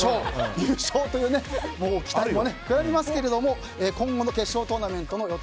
優勝という期待も膨らみますが今後の決勝トーナメントの予定